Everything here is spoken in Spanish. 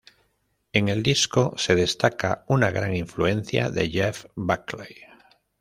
En el disco se destaca una gran influencia de Jeff Buckley.